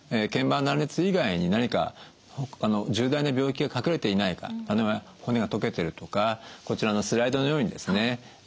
腱板断裂以外に何か重大な病気が隠れていないか例えば骨が溶けてるとかこちらのスライドのようにですね